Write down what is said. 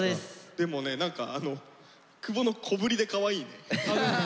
でもね何か久保の小ぶりでかわいいね。